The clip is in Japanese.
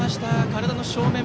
体の正面。